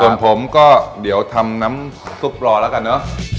ส่วนผมก็เดี๋ยวทำน้ำซุปรอแล้วกันเนอะ